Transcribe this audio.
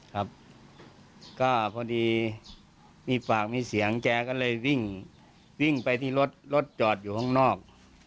ครับก็พอดีมีปากมีเสียงแกก็เลยวิ่งวิ่งไปที่รถรถจอดอยู่ข้างนอก